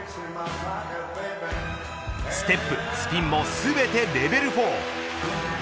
ステップ、スピンも全てレベル４。